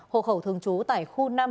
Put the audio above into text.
hộ khẩu thường chú tại khu năm